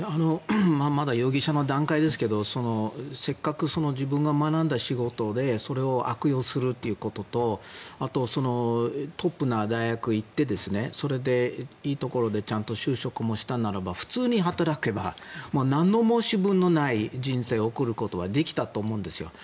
まだ容疑者の段階ですけどせっかく、自分が学んだ仕事でそれを悪用するということとあと、トップの大学へ行ってそれでいいところでちゃんと就職もしたならば普通に働けばなんの申し分のない人生を送ることができたと思うんですよ。